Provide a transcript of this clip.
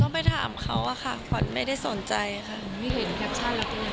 ต้องไปถามเขาว่าขวัญไม่ได้สนใจค่ะ